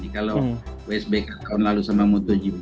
kalau usb kataun lalu sama motogp